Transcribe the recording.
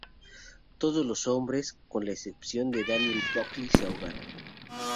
Todos los hombres, con la excepción de Daniel Buckley, se ahogaron.